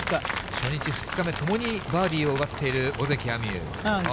初日、２日目とバーディーを奪っている尾関彩美悠。